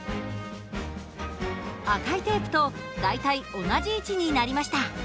赤いテープと大体同じ位置になりました。